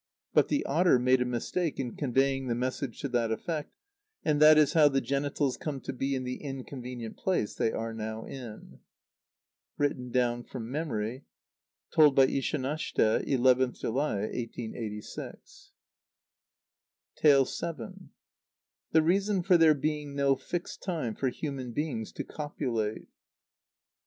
But the otter made a mistake in conveying the message to that effect; and that is how the genitals come to be in the inconvenient place they are now in. (Written down from memory. Told by Ishanashte, 11th July, 1886.) vii. _The Reason for there being no Fixed Time for Human Beings to copulate.